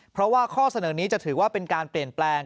เพราะว่าข้อเสนอนี้จะถือว่าเป็นการเปลี่ยนแปลง